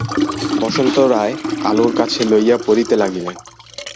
বসন্ত রায় আলোর কাছে লইয়া পড়িতে লাগিলেন।